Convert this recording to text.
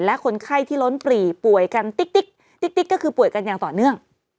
และคนไข้ที่ล้นปรีป่วยกันติ๊กติ๊กก็คือป่วยกันอย่างต่อเนื่อง